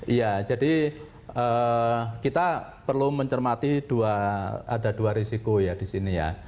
iya jadi kita perlu mencermati ada dua risiko ya di sini ya